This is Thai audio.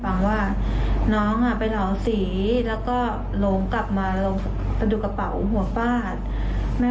คุณครูบอกเลยใช่มั้ยครับว่าไม่เห็นตอนล้มตั้งแต่แรก